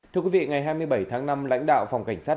thưa quý vị ngày hai mươi bảy tháng năm lãnh đạo phòng cảnh sát